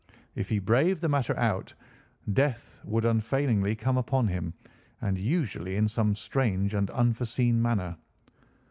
If he braved the matter out, death would unfailingly come upon him, and usually in some strange and unforeseen manner.